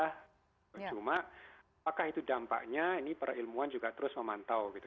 cuma apakah itu dampaknya ini para ilmuwan juga terus memantau gitu